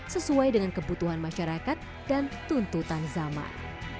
sesuai dengan kebutuhan masyarakat dan tuntutan zaman